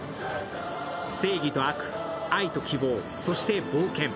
正義と悪、愛と希望、そして冒険。